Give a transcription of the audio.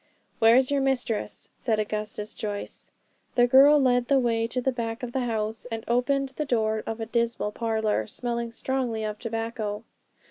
'Where's your mistress?' said Augustus Joyce. The girl led the way to the back of the house, and opened the door of a dismal parlour, smelling strongly of tobacco.